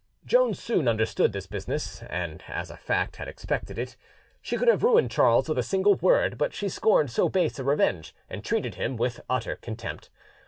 Joan soon understood this business, and as a fact had expected it. She could have ruined Charles with a single word; but she scorned so base a revenge, and treated him with utter contempt.